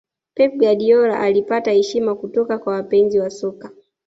pep guardiola alipata heshima kutoka kwa wapenzi wa soka